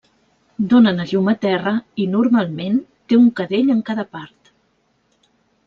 Donen a llum a terra i, normalment, té un cadell en cada part.